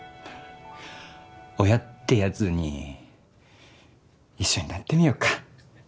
親ってやつに一緒になってみよっか。